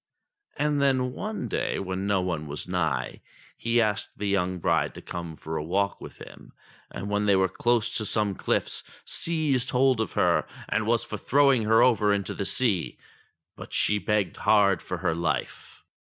And then one day, when no one was nigh, he asked the young bride to come for a walk with him, and when they were close to some cliffs, seized hold of her, and was for throwing her over into the sea. But she begged hard for her life.